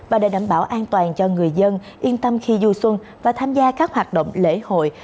và để đảm bảo an toàn cho người dân yên tâm khi du xuân và tham gia các hoạt động lễ hội